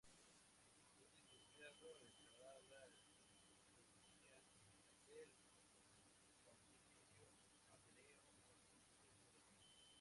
Es licenciado en Sagrada Liturgia del Pontificio Ateneo San Anselmo de Roma.